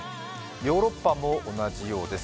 ヨーロッパも同じようです。